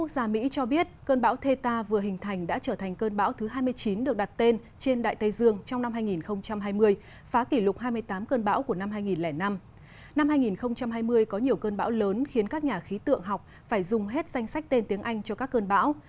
năm hai nghìn hai mươi có nhiều cơn bão lớn khiến các nhà khí tượng học phải dùng hết danh sách tên tiếng anh cho các cơn bão